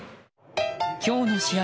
今日の試合